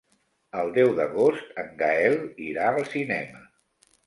El deu d'agost en Gaël irà al cinema.